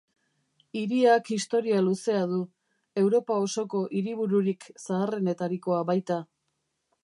Hiriak historia luzea du, Europa osoko hiribururik zaharrenetarikoa baita.